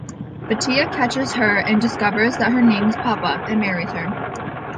Vatea catches her and discovers that her name is Papa, and marries her.